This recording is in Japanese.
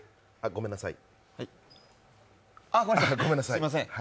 ごめんなさい。